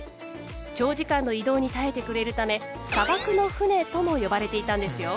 長時間の移動に耐えてくれるため「砂漠の船」とも呼ばれていたんですよ。